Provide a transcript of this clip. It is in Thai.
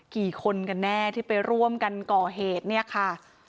กี่คนกันแน่ที่ไปร่วมกันก่อเหตุเนี่ยค่ะ